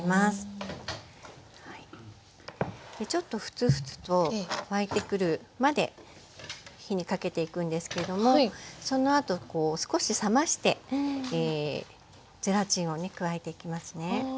ちょっとフツフツと沸いてくるまで火にかけていくんですけどもそのあと少し冷ましてゼラチンをね加えていきますね。